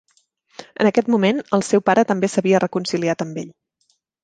En aquest moment, el seu pare també s'havia reconciliat amb ell.